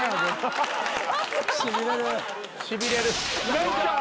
・しびれる。